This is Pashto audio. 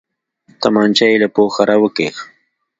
تمانچه يې له پوښه راوکښ.